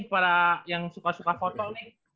para yang suka suka foto nih